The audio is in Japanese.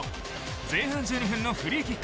前半１２分のフリーキック。